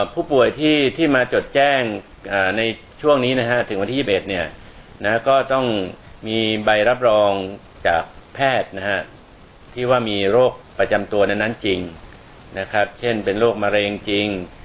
ผู้ป่วยที่มาจดแจ้งในช่วงนี้นะฮะถึงวันที่๒๑ก็ต้องมีใบรับรองจากแพทย์ที่ว่ามีโรคประจำตัวนั้นจริงนะครับเช่นเป็นโรคมะเร็งจริง